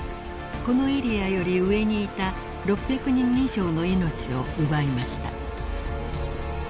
このエリアより上にいた６００人以上の命を奪いました］